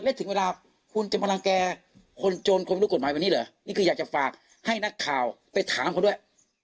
แล้วถึงเวลาคุณจะมารังแก่คนโจรคนรู้กฎหมายวันนี้เหรอนี่คืออยากจะฝากให้นักข่าวไปถามเขาด้วย